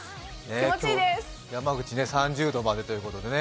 今日は山口、３０度までということで。